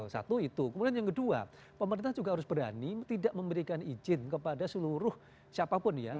satu itu kemudian yang kedua pemerintah juga harus berani tidak memberikan izin kepada seluruh siapapun ya